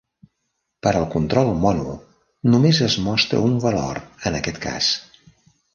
Per al control mono, només es mostra un valor, en aquest cas.